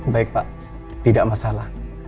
baik pak tidak masalah